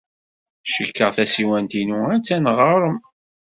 Cikkeɣ tasiwant-inu attan ɣer-m.